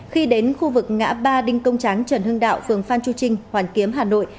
khi đến khu vực ngã ba đinh công tráng trần hưng đạo phường phan chu trinh hoàn kiếm hà nội